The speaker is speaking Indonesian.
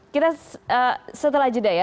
kita setelah jeda ya